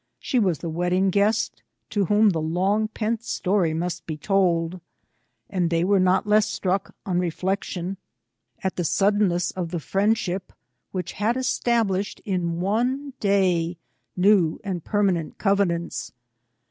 She was the wedding guest, to whom the long pent story must be told; and they were not less struck, on reflection, at the suddenness of 286 YISITS TO CONCORD. the friendship which had established^ in one day^ new and permanent covenants.